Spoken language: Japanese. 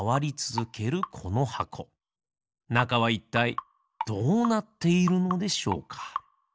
なかはいったいどうなっているのでしょうか？